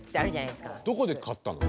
どこで買ったの？